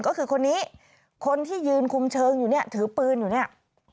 ก็คือคนนี้คนที่ยืนคุมเชิงอยู่เนี่ยถือปืนอยู่เนี่ย